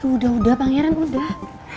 udah udah pangeran udah